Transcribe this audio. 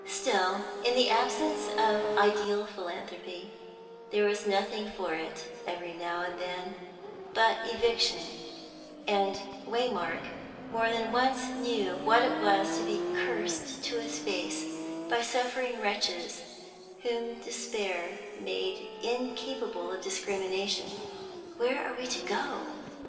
Still, in the absence of ideal philantropy, there was nothing for it every now and then but eviction, and Waymark more than once knew what ideal philanthropy, there was nothing for it every now and it was to be cursed to his face by suffering wretches whom despair made incapable of discrimination. "Where are we to go?"